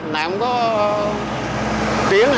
nàng có tiến hành